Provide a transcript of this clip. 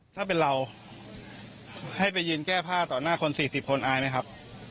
ถ้าเป็นเราให้ไปยืนแก้ผ้าต่อหน้าคน๔๐คนอายไหมครับ